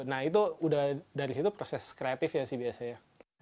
nah itu udah dari situ proses kreatif ya sih biasanya